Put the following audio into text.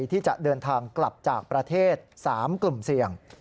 ที่จะเดินทางกลับจากประเทศ๓กลุ่มเสี่ยง